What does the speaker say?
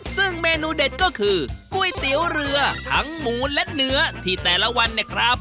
ซึ่งเมนูเด็ดก็คือก๋วยเตี๋ยวเรือทั้งหมูและเนื้อที่แต่ละวันเนี่ยครับ